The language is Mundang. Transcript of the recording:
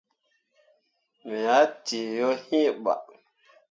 Me ah tǝǝ yo iŋ bah.